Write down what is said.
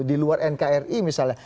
di luar nkri misalnya